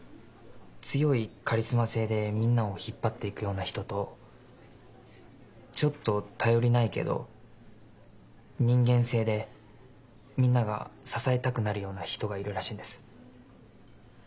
強いカリスマ性でみんなを引っ張って行くような人とちょっと頼りないけど人間性でみんなが支えたくなるような人がいるらしいんです。